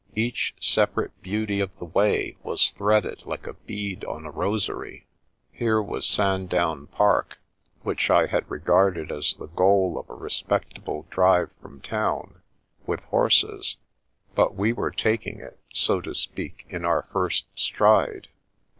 Each separate beauty of the way was threaded like a bead on a rosary. Here was Sandown Park, which I had regarded as the goal of a respectable drive from town, with horses; but we were taking it, so to speak, in our first stride.